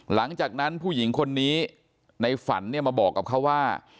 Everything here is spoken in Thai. หลังจากนั้นผู้หญิงคนนี้ในฝันเนี่ยมาบอกกับเขาว่า